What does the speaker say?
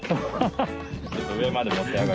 ちょっと上まで持って上がる。